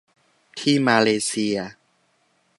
ที่มาเลเซีย